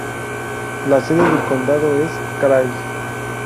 La sede del condado es Craig.